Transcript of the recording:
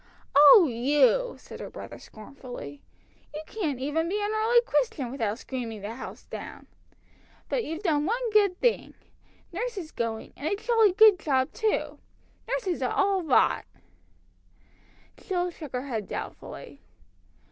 "Oh, you!" said her brother scornfully. "You can't even be an early Christian without screaming the house down! But you've done one good thing! Nurse is going, and a jolly good job too! Nurses are all rot!" Jill shook her head doubtfully.